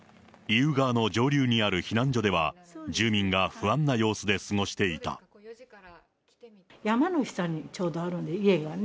意宇川の上流にある避難所では住民が不安な様子で過ごしてい山の下にちょうどあるんで、家がね。